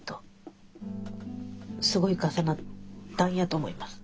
すごい重なったんやと思います。